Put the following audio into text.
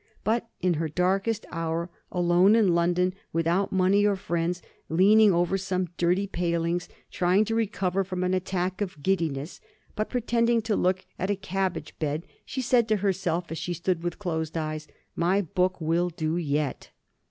But in her darkest hour, alone in London, without money or friends, leaning over some dirty palings, really to recover from an attack of giddiness, but pretending to look at a cabbage bed, she said to herself, as she stood with closed eyes, "My book will do yet."